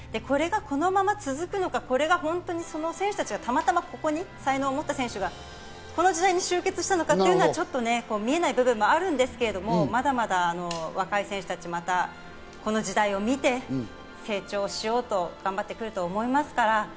これがこのまま続くのか、選手たちがたまたま、ここに才能を持った選手たちがこの時代に集結したのか、ちょっと見えない部分がありますが、まだまだ若い選手たち、この時代を見て成長しようと頑張ってくると思いますから。